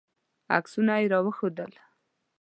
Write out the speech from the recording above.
عکسونه یې راوښودل.